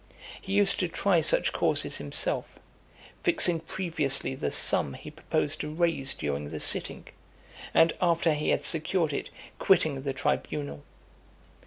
He used to try such causes himself; fixing previously the sum he proposed to raise during the sitting, and, after he had secured it, quitting the tribunal.